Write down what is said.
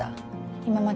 今までも。